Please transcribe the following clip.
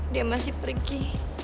dia masih pergi